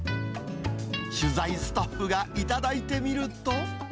取材スタッフが頂いてみると。